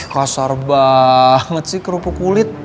pasar banget sih kerupuk kulit